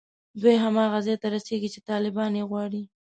دوی هماغه ځای ته رسېږي چې طالبان یې غواړي